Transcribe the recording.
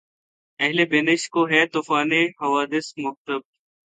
اہلِ بینش کو‘ ہے طوفانِ حوادث‘ مکتب